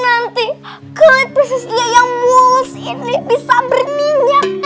nanti kulit prinses lia yang mulus ini bisa berninya